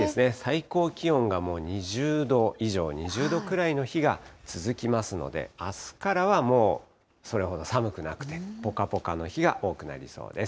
最高気温がもう２０度以上、２０度くらいの日が続きますので、あすからはもう、それほど寒くなくて、ぽかぽかの日が多くなりそうです。